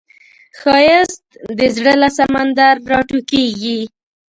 ښایست د زړه له سمندر راټوکېږي